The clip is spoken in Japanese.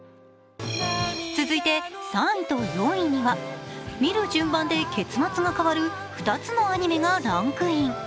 続いて３位と４位には見る順番で結末が変わる２つのアニメがランクイン。